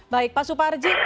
baik pak suparji